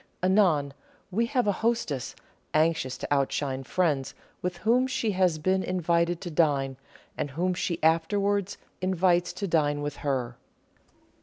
Anon, we have a hostess, anxious to outshine friends with whom she has been invited to dine, and whom she afterwards invites to dine with her.